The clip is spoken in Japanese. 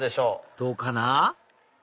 どうかな？